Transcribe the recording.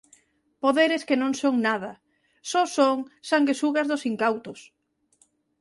Poderes que non son nada, só son sanguesugas dos incautos.